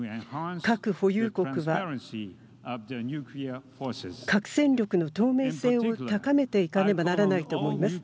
核保有国は核戦力の透明性を高めていかねばならないと思います。